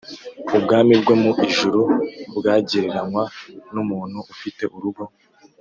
”“Ubwami bwo mu ijuru bwagereranywa n’umuntu ufite urugo,